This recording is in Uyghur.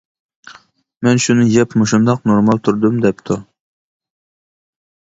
مەن شۇنى يەپ مۇشۇنداق نورمال تۇردۇم دەپتۇ.